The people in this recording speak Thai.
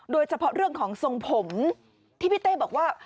โดยเฉพาะเรื่องของทรงผมที่พี่เต้บอกว่า